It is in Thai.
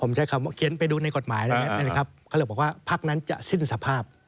ผมใช้คำเขียนไปดูในกฎหมายนะครับเขาบอกว่าภักดิ์นั้นจะสิ้นสภาพ